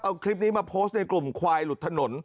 เอาคลิปนี้มาโพสต์ในกลุ่มควายหลุดถนน